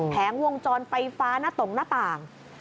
แงวงจรไฟฟ้าหน้าตรงหน้าต่าง